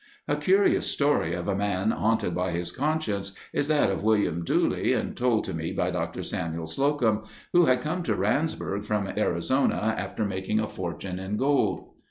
A curious story of a man haunted by his conscience is that of William Dooley and told to me by Dr. Samuel Slocum, who had come to Randsburg from Arizona after making a fortune in gold.